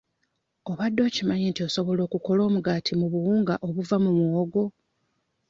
Obadde okimanyi nti osobola okukola omugaati mu buwunga obuva mu muwogo?